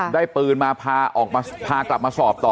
ได้ปืนมาพากลับมาสอบต่อ